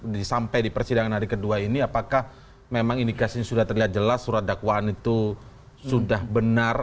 sampai di persidangan hari kedua ini apakah memang indikasinya sudah terlihat jelas surat dakwaan itu sudah benar